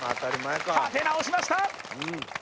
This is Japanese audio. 立て直しました。